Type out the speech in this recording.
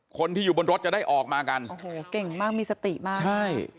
คนที่อยู่บนรถจะได้ออกมากันโอ้โหเก่งมากมีสติมากใช่